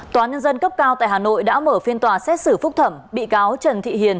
tòa nhân dân cấp cao tại hà nội đã mở phiên tòa xét xử phúc thẩm bị cáo trần thị hiền